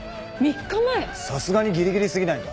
さすがにギリギリすぎないか。